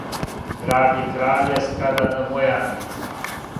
Гради краље Скадар на Бојани,